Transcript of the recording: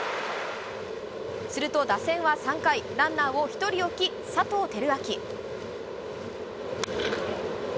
すると、打線は３回、ランナーを１人置き、佐藤輝明。